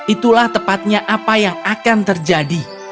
itulah tepatnya apa yang akan terjadi